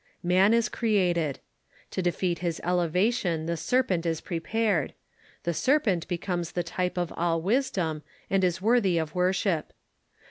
Man is created. To defeat his elevation the ser pent is prepared. The serpent becomes the type of all wis dom, and is worthy of worship.